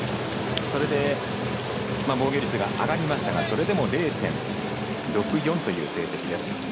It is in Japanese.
それで、防御率が上がりましたがそれでも０．６４という成績です。